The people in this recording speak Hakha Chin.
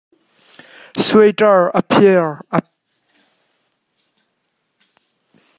Suaiṭar a phiar.